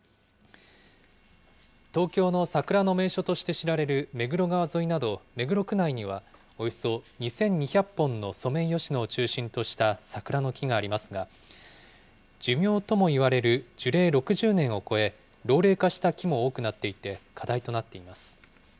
東京の桜の名所として知られる目黒川沿いなど、目黒区内にはおよそ２２００本のソメイヨシノを中心とした桜の木がありますが、寿命ともいわれる樹齢６０年を超え、老齢化した木も多くなっていて、課題となっています。